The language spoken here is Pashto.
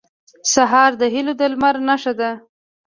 سهار د هيلو د لمر نښه ده.